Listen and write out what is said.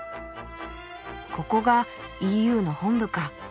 ここがＥＵの本部か。